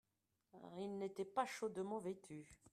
Il n'était pas chaudement vêtu.